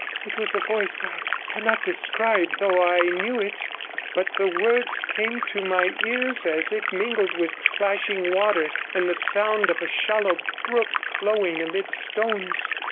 It was a voice I cannot describe, though I knew it, but the words came to my ears as if mingled with plashing water and the sound of a shallow brook flowing amidst stones.